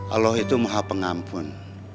allah itu maha pengampun